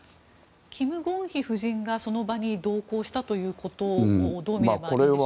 キム・ゴンヒ夫人がその場に同行したということをどう見ればいいんでしょうか。